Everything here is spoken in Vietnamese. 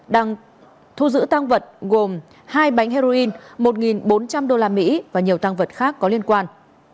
đang thu giữ tăng vật gồm hai bánh heroin một bốn trăm linh usd và nhiều tăng vật khác có liên quan